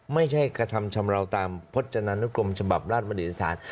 ไม่ใช่กระทำชำราวตามพจนานุกรมฉบับราชมณิตศาสตร์